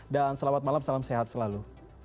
dan selamat malam salam sehat selalu